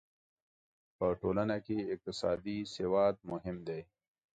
په ټولنه کې اقتصادي سواد مهم دی.